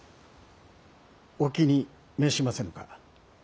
お気に召しませぬか？